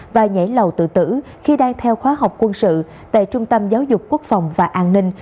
và nhảy lầu tự tử khi đang theo khóa học quân sự tại trung tâm giáo dục quốc phòng và an ninh